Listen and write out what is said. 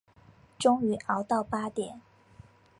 终于熬到八点